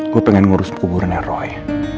gue pengen ngurus kuburan roy